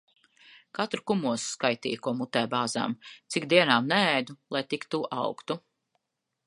Katru kumosu skaitīja, ko mutē bāzām. Cik dienām neēdu, lai tik tu augtu.